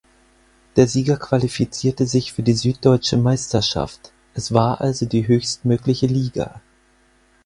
Der Sieger qualifizierte sich für die Süddeutsche Meisterschaft, es war also die höchstmögliche Liga.